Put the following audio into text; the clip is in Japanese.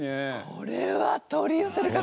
これは取り寄せる方。